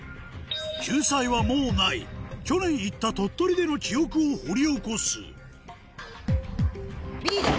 救済はもうない去年行った鳥取での記憶を掘り起こすＢで。